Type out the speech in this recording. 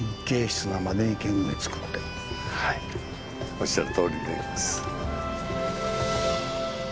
おっしゃるとおりになります。